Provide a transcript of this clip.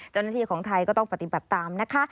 เจ้าหน้าที่ของไทยก็ต้องปฏิบัติตามนะคะ